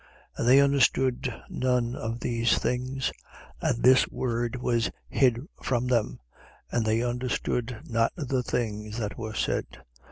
18:34. And they understood none of these things, and this word was hid from them: and they understood not the things that were said.